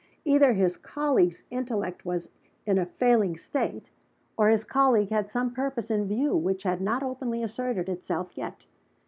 Either his colleague's intellect was in a failing state or his colleague had some purpose in view which had not openly asserted itself yet.